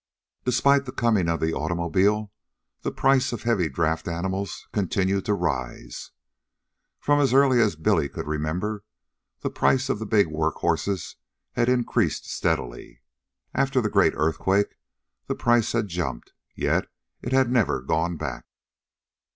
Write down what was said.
Despite the coming of the automobile, the price of heavy draught animals continued to rise. From as early as Billy could remember, the price of the big work horses had increased steadily. After the great earthquake, the price had jumped; yet it had never gone back.